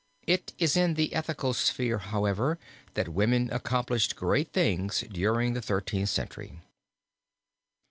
It is in the ethical sphere, however, that women accomplished great things during the Thirteenth Century.